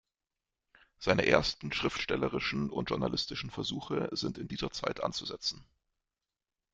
Seine ersten schriftstellerischen und journalistischen Versuche sind in dieser Zeit anzusetzen.